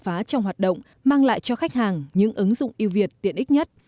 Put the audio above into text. phá trong hoạt động mang lại cho khách hàng những ứng dụng yêu việt tiện ích nhất